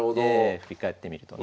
振り返ってみるとね。